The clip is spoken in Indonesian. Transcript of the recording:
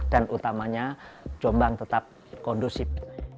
dan utamanya jombang tetap kondusif